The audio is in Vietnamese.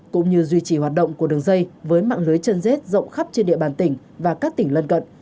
cũng như duy trì hoạt động của đường dây với mạng lưới chân dết rộng khắp trên địa bàn tỉnh và các tỉnh lân cận